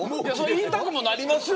言いたくもなりますよ